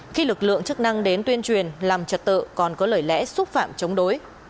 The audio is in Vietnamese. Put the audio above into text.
khi lực lượng chức năng đến tuyên truyền làm trật tự còn có lời lẽ xúc phạm chống đối